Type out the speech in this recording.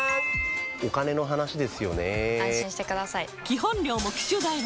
お金の話ですよね安心してください！